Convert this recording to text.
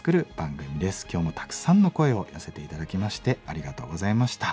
今日もたくさんの声を寄せて頂きましてありがとうございました。